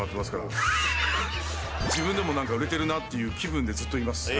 自分でも売れてるなって気分でずっといます。